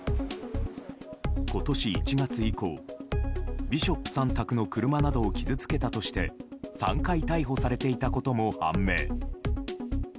今年１月以降ビショップさん宅の車などを傷つけたとして３回逮捕されていたことも判明。